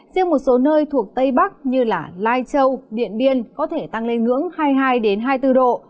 riêng một số nơi thuộc tây bắc như lai châu điện biên có thể tăng lên ngưỡng hai mươi hai hai mươi bốn độ